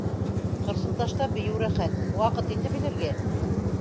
Ҡырсынташта бейеү рәхәт, ваҡыт инде белергә.